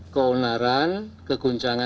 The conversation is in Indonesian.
dan juga menangkap para pelaku